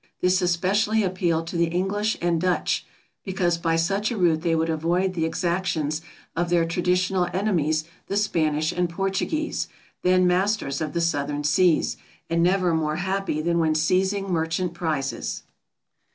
This especially appealed to the Eng lish and Dutch, because by such a route they would avoid the exactions of their traditional enemies the Spanish and Portu guese, then masters of the southern seas, and never more happy than when seizing merchant prizes.